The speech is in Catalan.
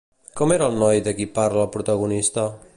Com era el noi de qui parla el protagonista?